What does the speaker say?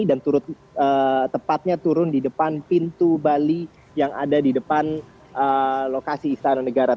dan tepatnya turun di depan pintu bali yang ada di depan lokasi istana negara